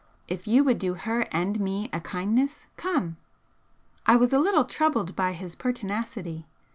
If you would do her and me a kindness, come!" I was a little troubled by his pertinacity.